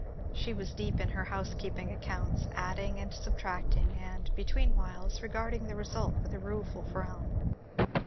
She was deep in her housekeeping accounts, adding and subtracting and, between whiles, regarding the result with a rueful frown.